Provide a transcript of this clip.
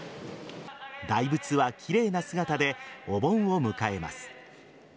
大仏は奇麗な姿でお盆を迎えます。